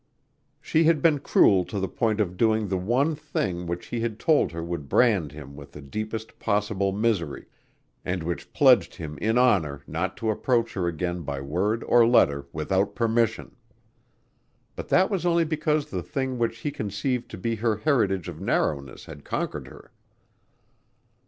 She had been cruel to the point of doing the one thing which he had told her would brand him with the deepest possible misery and which pledged him in honor not to approach her again by word or letter without permission. But that was only because the thing which he conceived to be her heritage of narrowness had conquered her.